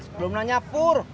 belum nanya pur